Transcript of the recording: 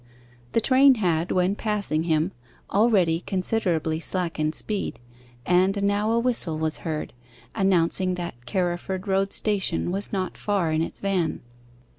The train had, when passing him, already considerably slackened speed, and now a whistle was heard, announcing that Carriford Road Station was not far in its van.